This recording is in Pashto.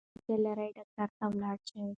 که ستونزه لرې ډاکټر ته ولاړ شه.